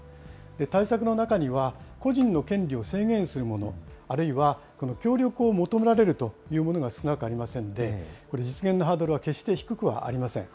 対策の中には、個人の権利を制限するもの、あるいは協力を求められるというものも少なくありませんで、これ、実現のハードルは決して低くはありません。